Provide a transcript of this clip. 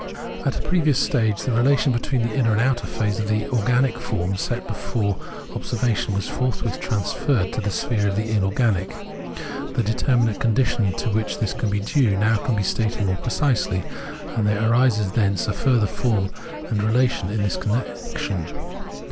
At a previous stage the relation between the inner and outer phases in the organic form set before observation was forthwith transferred to the sphere of the inorganic. The determinate condition to which this is due can now be stated more precisely, and there arises thence a further form and relation in this connection.